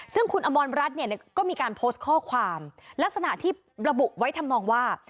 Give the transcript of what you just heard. ซึ่งคุณอมรรัฐเนี่ยก็มีการโพสต์ข้อความลักษณะที่ระบุไว้ทำนองว่า